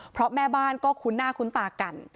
เพราะแม่บ้านก็คุ้นหน้าคุ้นตากัน